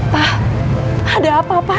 pak ada apa pak